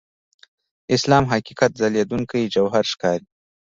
اسلام حقیقت ځلېدونکي جوهر ښکاري.